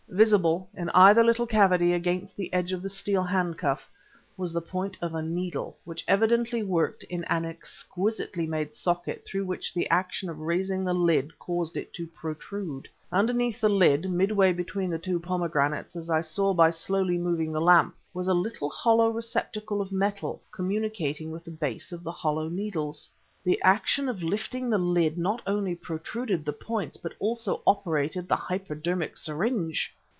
Visible, in either little cavity against the edge of the steel handcuff, was the point of a needle, which evidently worked in an exquisitely made socket through which the action of raising the lid caused it to protrude. Underneath the lid, midway between the two pomegranates, as I saw by slowly moving the lamp, was a little receptacle of metal communicating with the base of the hollow needles. The action of lifting the lid not only protruded the points but also operated the hypodermic syringe!